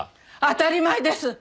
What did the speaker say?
当たり前です。